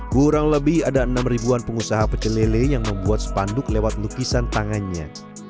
kurang lebih ada enam ribuan pengusaha pecelele yang membuat spanduk lewat lukisan tangannya